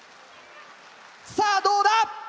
さぁどうだ。